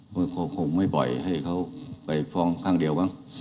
ผมคงไม่บ่อยให้เขาไปฟ้องข้างเดียวบ้าง